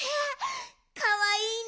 かわいいね。